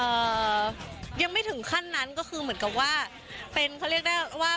เอ่อยังไม่ถึงขั้นนั้นก็คือเหมือนกับว่า